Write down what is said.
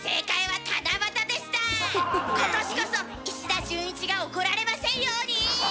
今年こそ石田純一が怒られませんように！